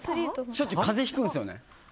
しょっちゅう風邪ひくんですよね。